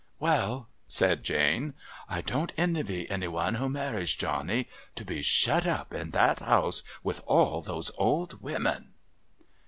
"Well," said Jane, "I don't envy any one who marries Johnny to be shut up in that house with all those old women!"